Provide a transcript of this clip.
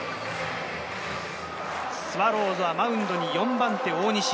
スワローズはマウンドに４番手、大西。